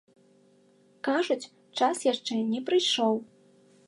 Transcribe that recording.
Кажуць, час яшчэ не прыйшоў.